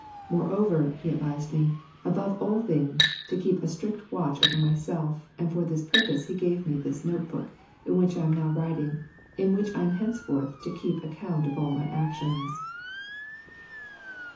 Moreover, he advised me, al)ove all things, to keep a strict watch over myself, and for this purpose he gave me this note book, in which I am now writing, and in which I am heuceforth to keep an ac count of all my actions.